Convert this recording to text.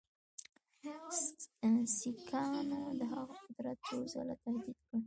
سیکهانو د هغه قدرت څو ځله تهدید کړ.